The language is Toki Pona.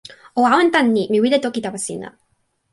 o awen tan ni: mi wile toki tawa sina.